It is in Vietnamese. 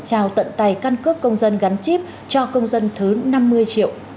trao tận tay căn cước công dân gắn chip cho công dân thứ năm mươi triệu